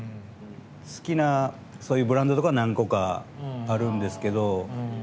好きなブランドとかは何個かあるんですけど。